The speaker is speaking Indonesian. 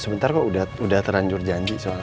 sebentar kok udah terlanjur janji soalnya